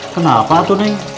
kenapa tuh neng